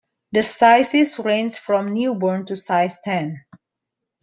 The sizes range from newborn to size ten.